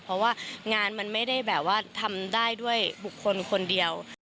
เพราะว่างานมันไม่ได้แบบว่าทำได้ด้วยบุคคลคนเดียว